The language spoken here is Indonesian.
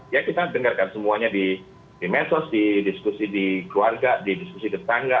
ya kita dengarkan semuanya di mesos di diskusi di keluarga di diskusi tetangga